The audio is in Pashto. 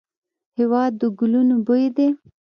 هېواد د ګلونو بوی دی.